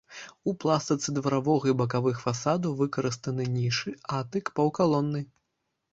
У пластыцы дваровага і бакавых фасадаў выкарыстаны нішы, атык, паўкалоны.